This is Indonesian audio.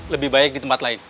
lebih baik di tempat lain